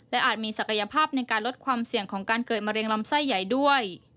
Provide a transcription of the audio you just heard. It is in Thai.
อาจมีศักยภาพในการลดความเสี่ยงของการเกิดมะเร็งลำไส้ใหญ่ด้วย